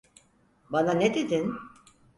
Bana ne dedin?